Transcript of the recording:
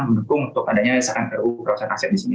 mendukung untuk adanya desakan ru perusahaan aset disini